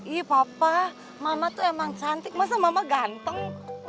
iya papa mama tuh emang cantik masa mama ganteng